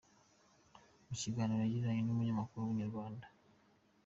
Mu kiganiro yagiranye n’umunyamakuru wa Inyarwanda.